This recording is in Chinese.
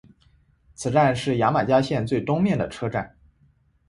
此站是牙买加线最东面的车站。